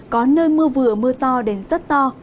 có nơi mưa vừa mưa to đến rất to